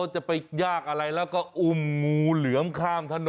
จะไปยากอะไรแล้วก็อุ้มงูเหลือมข้ามถนน